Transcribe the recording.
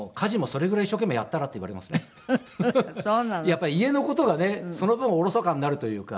やっぱり家の事がねその分おろそかになるというか。